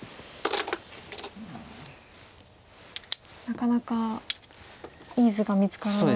なかなかいい図が見つからない。